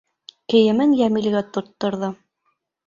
Кейемен Йәмилгә тотторҙо: